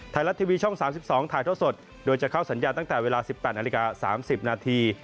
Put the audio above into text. ไทยรัฐทีวีช่อง๓๒ถ่ายเท่าสดโดยจะเข้าสัญญาตั้งแต่เวลา๑๘นาฬิกา๓๐นาที